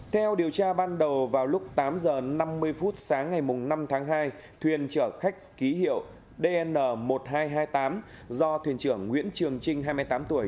theo điều tra ban đầu vào lúc tám h năm mươi phút sáng ngày năm tháng hai thuyền chở khách ký hiệu dn một nghìn hai trăm hai mươi tám do thuyền trưởng nguyễn trường trinh hai mươi tám tuổi